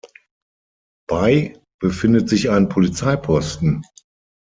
Bei befindet sich ein Polizeiposten.